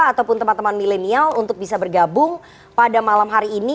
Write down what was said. ataupun teman teman milenial untuk bisa bergabung pada malam hari ini